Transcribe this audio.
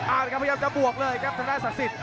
อ้าวนะครับพยายามจะบวกเลยครับจะได้ศักดิ์สิทธิ์